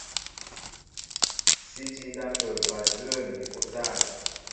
Sí tí á ndápə̂ bal dwə̂m ni útân.